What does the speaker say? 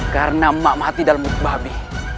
karena emak mati dalam utuh babi